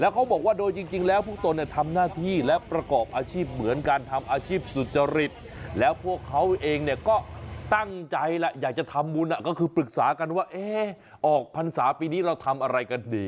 กรอบอาชีพเหมือนกันทำอาชีพสุจริตแล้วพวกเขาเองเนี่ยก็ตั้งใจแล้วอยากจะทำมูลน่ะก็คือปรึกษากันว่าเอ๊ะออกภัณฑ์ศาสตร์ปีนี้เราทำอะไรกันดี